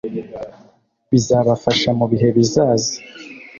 bizabafasha mu bihe bizaza